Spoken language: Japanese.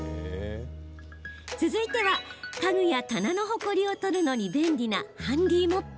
続いては、家具や棚のほこりを取るのに便利なハンディーモップ。